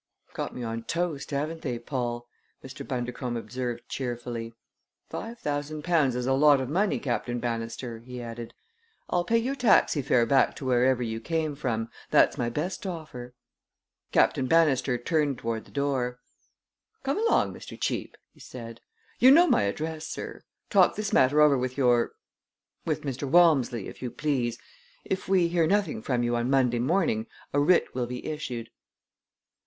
"Got me on toast, haven't they, Paul?" Mr. Bundercombe observed cheerfully. "Five thousand pounds is a lot of money, Captain Bannister," he added. "I'll pay your taxi fare back to wherever you came from. That's my best offer." Captain Bannister turned toward the door. "Come along, Mr. Cheape!" he said. "You know my address, sir. Talk this matter over with your with Mr. Walmsley, if you please. If we hear nothing from you on Monday morning a writ will be issued."